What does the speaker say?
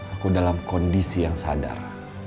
aku dalam kondisi yang sadar